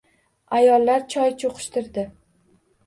Ayollar... choy cho‘qishtirdi.